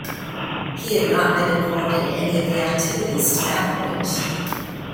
He had not been involved in any of the activities to that point.